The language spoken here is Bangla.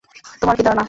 তোমার কি ধারণা?